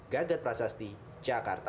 gagat prasasti jakarta